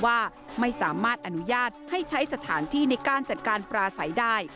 ว่าไม่สามารถอนุญาตให้ใช้สถานที่ในการจัดการปลาใสได้